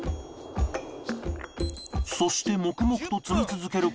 そして黙々と積み続ける事１０分